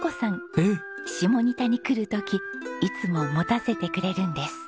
下仁田に来る時いつも持たせてくれるんです。